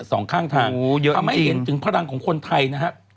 สองข้างทางทำให้เห็นถึงพลังของคนไทยนะครับ